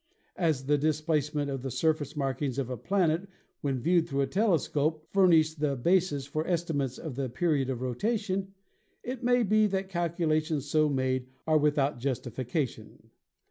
As the displacement of the surface markings of a planet when viewed through a telescope furnish the. basis for estimates of the period of rotation, it may be that calculations so made are without justification.